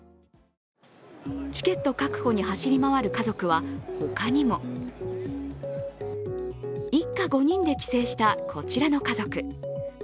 チケット確保に走り回る家族は他にも。一家５人で帰省したこちらの家族。